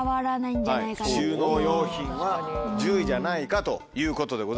収納用品は１０位じゃないかということでございますか。